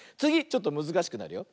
ちょっとむずかしくなるよ。